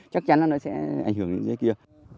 chắc chắn là nó sẽ ảnh hưởng đến dưới kia